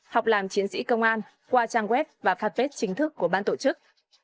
học làm chiến sĩ công an qua trang web và phát vết chính thức của ban tổ chức